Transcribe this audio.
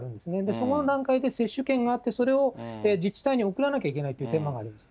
その段階で接種券があって、それを自治体に送らなきゃいけないという手間があるんです。